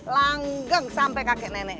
langgang sampai kakek nenek